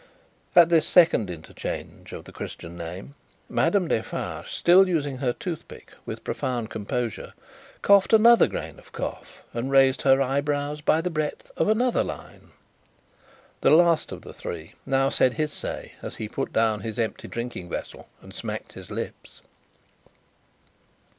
At this second interchange of the Christian name, Madame Defarge, still using her toothpick with profound composure, coughed another grain of cough, and raised her eyebrows by the breadth of another line. The last of the three now said his say, as he put down his empty drinking vessel and smacked his lips.